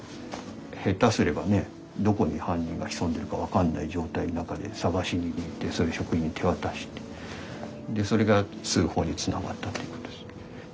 下手すればねどこに犯人が潜んでるか分かんない状態の中で探しに行ってそれ職員に手渡してでそれが通報につながったっていうことです。